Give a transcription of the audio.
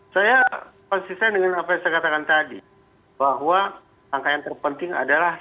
saya konsisten dengan apa yang saya katakan tadi bahwa angka yang terpenting adalah